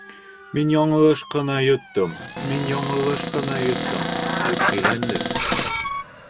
«Мин яңылыш ҡына йоттом, мин яңылыш ҡына йоттом», -тип һөйләнде.